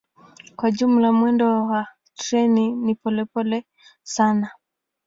Kwa jumla mwendo wa treni ni polepole sana.